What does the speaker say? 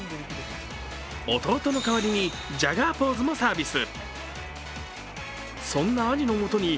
弟の代わりにジャガーポーズもサービス。